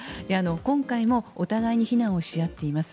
今回もお互いに非難をし合っています。